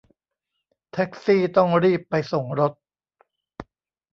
แท็กซี่ต้องรีบไปส่งรถ